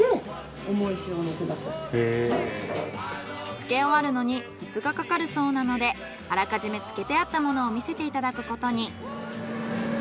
漬け終わるのに２日かかるそうなのであらかじめ漬けてあったものを見せていただくことに。